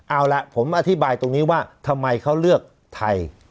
เอาล่ะผมอธิบายตรงนี้ว่าทำไมเขาเลือกไทย